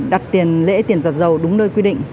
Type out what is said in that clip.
đặt tiền lễ tiền giọt dầu đúng nơi quy định